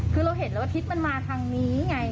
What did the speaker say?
คือเราเห็นแล้วว่าทิศมันมาทางนี้ไง